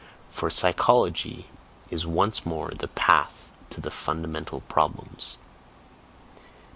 For psychology is once more the path to the fundamental problems.